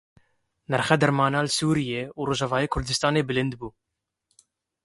Nirxê dermanan li Sûriyeyê û Rojavayê Kurdistanê bilind bû.